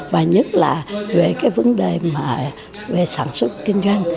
và nhất là về cái vấn đề về sản xuất kinh doanh